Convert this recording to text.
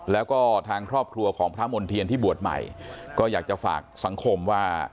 แล้วก็ทางครอบครัวของพระมณ์เทียนที่บวชใหม่ก็อยากจะฝากสังคมว่า